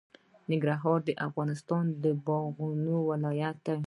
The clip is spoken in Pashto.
ننګرهار د افغانستان د باغونو ولایت دی.